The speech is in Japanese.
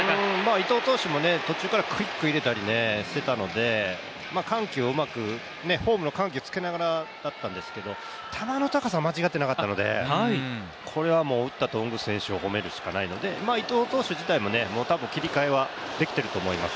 伊藤投手も途中からクイック入れたりしてたので緩急をうまく、フォームの緩急をうまくつけながらだったんですけど球の高さは間違っていなかったのでこれは打った頓宮選手を褒めるしかないので褒めるしかないので、伊藤投手自体も多分切り替えはできていると思います。